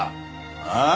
ああ！？